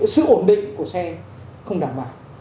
sự ổn định của xe không đảm bảo